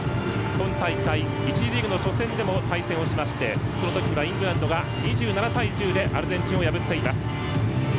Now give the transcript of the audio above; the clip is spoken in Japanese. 今大会、１次リーグの初戦でも対戦をしましてその時はイングランドが２７対１０でアルゼンチンを破っています。